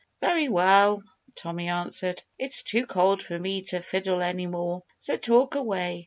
"Very well!" Tommy answered. "It's too cold for me to fiddle any more. So talk away!